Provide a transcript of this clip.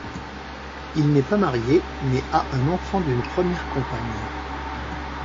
Il n'est pas marié mais a un enfant d'une première compagne.